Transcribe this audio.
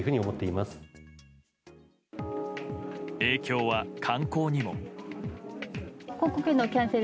影響は観光にも。